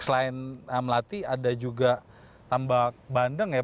selain melati ada juga tambak bandeng ya